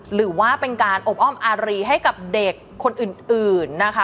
หรือว่าเป็นการอบอ้อมอารีให้กับเด็กคนอื่นนะคะ